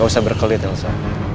gak usah berkelit elsa